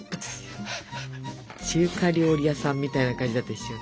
中華料理屋さんみたいな感じだったでしょ。